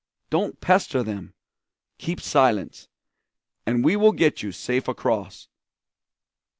Don't pester them! Keep silence, and we will get you safe across."